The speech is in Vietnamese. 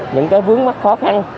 những vướng mắt khó khăn